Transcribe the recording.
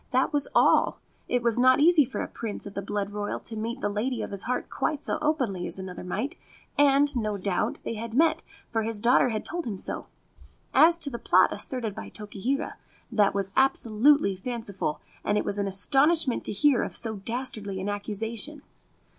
That was all. It was not easy for a Prince of the blood royal to meet the lady of his heart quite so openly as another might ; and, no doubt, they had met, for his daughter had told him so. As to the plot asserted by Tokihira, that was absolutely fanciful, and it was an astonishment to hear of so dastardly an accusation.